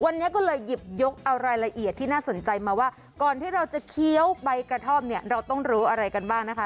วันนี้ก็เลยหยิบยกเอารายละเอียดที่น่าสนใจมาว่าก่อนที่เราจะเคี้ยวใบกระท่อมเนี่ยเราต้องรู้อะไรกันบ้างนะคะ